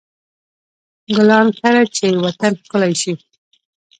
ګلان کر، چې وطن ښکلی شي.